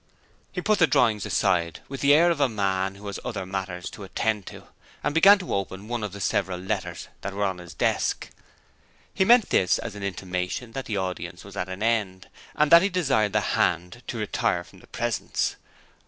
He put the drawings aside with the air of a man who has other matters to attend to, and began to open one of the several letters that were on his desk. He meant this as an intimation that the audience was at an end and that he desired the 'hand' to retire from the presence.